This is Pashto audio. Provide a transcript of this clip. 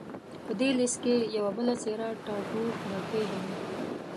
په دې لوست کې یوه بله څېره ټاګور درپېژنو.